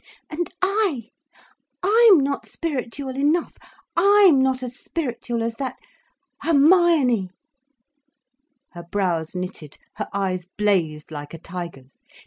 "And I, I'm not spiritual enough, I'm not as spiritual as that Hermione—!" Her brows knitted, her eyes blazed like a tiger's.